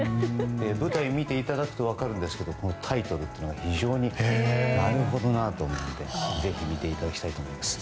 舞台を見ていただくと分かるんですけれどタイトルっていうのが非常になるほどなと思うのでぜひ見ていただきたいと思います。